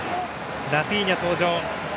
ラフィーニャ登場。